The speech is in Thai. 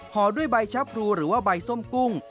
ห่อด้วยใบชะพรูหรือว่าใบส้มกุ้ง